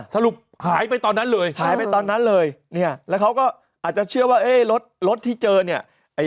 สรุปหายไปตอนนั้นเลยหายไปตอนนั้นเลยเนี่ยแล้วเขาก็อาจจะเชื่อว่าเอ๊ะรถรถที่เจอเนี่ย